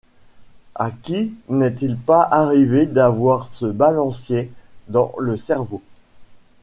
À qui n’est-il pas arrivé d’avoir ce balancier dans le cerveau?